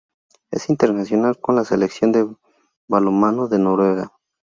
Es internacional con la Selección de balonmano de Noruega.